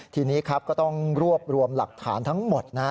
ทีนี้ครับก็ต้องรวบรวมหลักฐานทั้งหมดนะฮะ